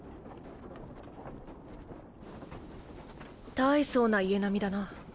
大層な家並みだな。